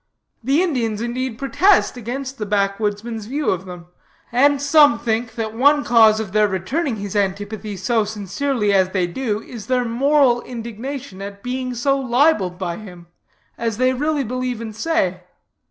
The Indians, in deed, protest against the backwoodsman's view of them; and some think that one cause of their returning his antipathy so sincerely as they do, is their moral indignation at being so libeled by him, as they really believe and say.